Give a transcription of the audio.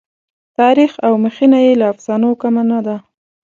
تاریخ او مخینه یې له افسانو کمه نه ده.